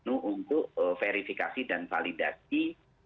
untuk verifikasi dan validasi